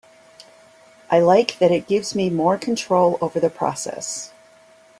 I like that it gives me more control over the process.